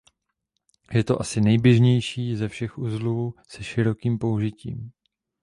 Je to asi nejběžnější ze všech uzlů se širokým použitím.